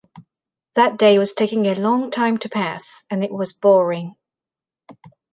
That day was taking a long time to pass, and it was boring.